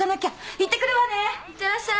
いってらっしゃい。